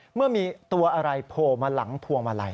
เมื่อมีตัวอะไรโผล่มาหลังพวงมาลัย